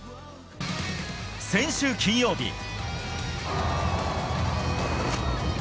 先週金曜日。